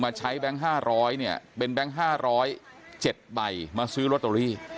ใช้แบงค์๕๐๐เนี่ยเป็นแบงค์๕๐๗ใบมาซื้อลอตเตอรี่